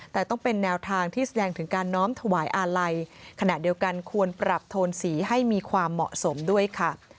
แต่ต้องเป็นแนวทางที่แสดงถึงการน้อมถวายอาลัยขณะเดียวกันควรปรับโทนสีให้มีความเหมาะสมด้วยค่ะ